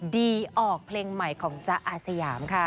ดีออกเพลงใหม่ของจ๊ะอาสยามค่ะ